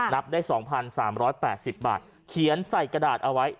นับได้๒๓๘๐บาทเขียนใส่กระดาษเอาไว้